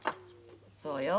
そうよ。